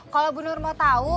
kalau bu nur mau tahu